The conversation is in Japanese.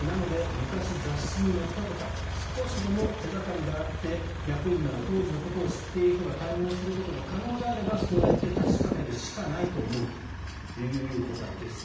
昔雑誌に載ったとか少しでも手掛かりがあって役員など当時のことを知っている人が対面することが可能であればそうやって確かめるしかないと思うという答えです。